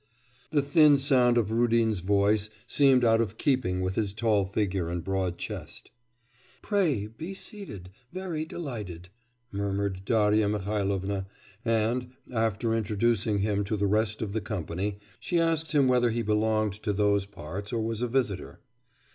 The thin sound of Rudin's voice seemed out of keeping with his tall figure and broad chest. 'Pray be seated... very delighted,' murmured Darya Mihailovna, and, after introducing him to the rest of the company, she asked him whether he belonged to those parts or was a visitor.